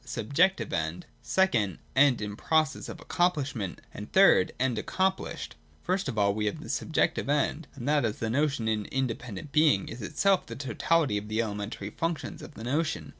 Subjective End ; second. End in process of accompUshment ; and third. End accomplished. First of all we have the Subjective End ; and that, as the notion in independent being, is itself the totality of the elementary functions of the notion.